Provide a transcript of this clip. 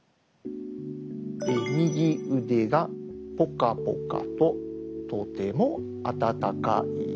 「右腕がポカポカととても温かい」。